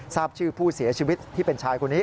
ทราบชื่อผู้เสียชีวิตที่เป็นชายคนนี้